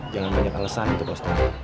jangan banyak alesan itu pak ustad